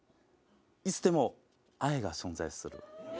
いつでも愛が存在する。